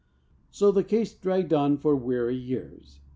So the case dragged on for weary years.